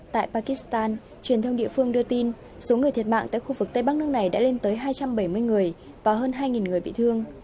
tại pakistan truyền thông địa phương đưa tin số người thiệt mạng tại khu vực tây bắc nước này đã lên tới hai trăm bảy mươi người và hơn hai người bị thương